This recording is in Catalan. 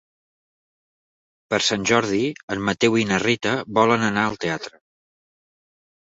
Per Sant Jordi en Mateu i na Rita volen anar al teatre.